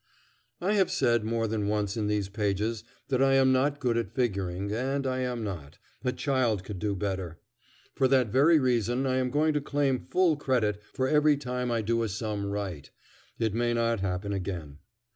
I have said more than once in these pages that I am not good at figuring, and I am not; a child could do better. For that very reason I am going to claim full credit for every time I do a sum right. It may not happen again.